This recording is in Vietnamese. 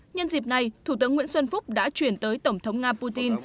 nhân dịp này thủ tướng nguyễn xuân phúc đã chuyển tới tổng thống nga putin